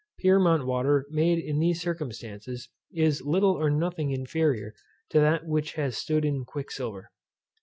Pyrmont water made in these circumstances, is little or nothing inferior to that which has stood in quicksilver.